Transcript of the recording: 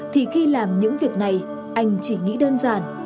thì khi làm những việc này anh chỉ nghĩ đơn giản